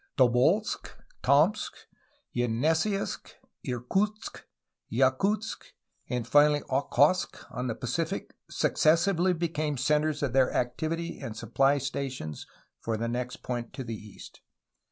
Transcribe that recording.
Tobolsk, Tomsk, Yenesseisk, Irkutsk, Yakutsk, and finally Okhotsk on the Pacific successively became cen tres of their activities and supply stations for the next point to the east.